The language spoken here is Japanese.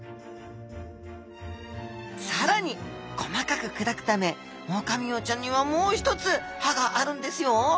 更に細かく砕くためオオカミウオちゃんにはもう一つ歯があるんですよ。